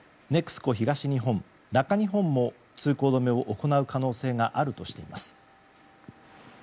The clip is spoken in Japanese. ＮＥＸＣＯ東日本・中日本も通行止めを行う可能性があるとしています。